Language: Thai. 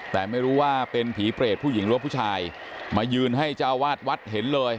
แต่ไม่รู้ว่าเป็นผีเปรตผู้หญิงหรือว่าผู้ชายมายืนให้เจ้าวาดวัดเห็นเลย